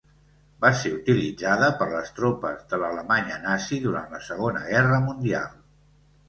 Va ser utilitzada per les tropes de l'Alemanya Nazi durant la Segona Guerra Mundial.